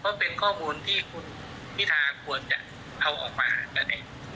เพราะเป็นข้อมูลที่คุณพิธาควรจะเอาออกมาหากันเอง